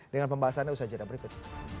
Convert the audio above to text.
dengan pembahasannya usaha jalan berikut